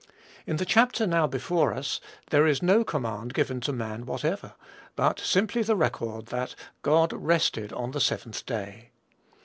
In the chapter now before us, there is no command given to man whatever; but simply the record that, "God rested on the seventh day."